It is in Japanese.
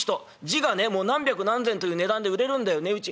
字がね何百何千という値段で売れるんだよ値打ち。